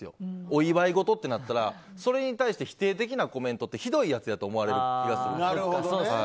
お祝いごとってなったらそれに対して否定的なコメントって、ひどい奴って思われると思うんですよ。